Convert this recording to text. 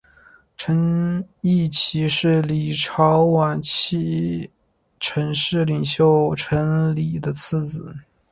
陈嗣庆是李朝晚期陈氏领袖陈李的次子。